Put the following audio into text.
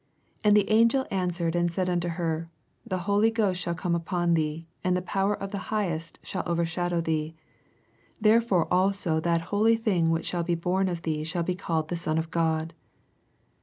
85 And the angel answered and said unto her, The Holy Ghost shall oome apon thee, ana the power of the Highest shall overshadow thee ; there fore also that holy thiuff which shall be born of thee shall he called the 6ou of God.